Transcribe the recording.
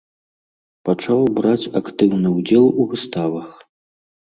Пачаў браць актыўны ўдзел у выставах.